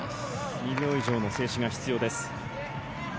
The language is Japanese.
２秒以上の静止が必要です。